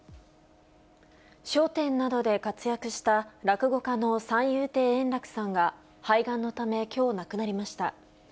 「笑点」などで活躍した落語家の三遊亭円楽さんが肺がんのため今日亡くなりました。